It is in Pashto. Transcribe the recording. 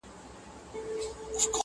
ته بچی د بد نصیبو د وطن یې،